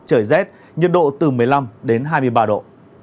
trời rét nhiệt độ từ một mươi năm đến hai mươi ba độ